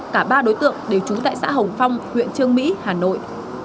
cả ba đối tượng đều trú tại xã hồng phong huyện trương mỹ hà nội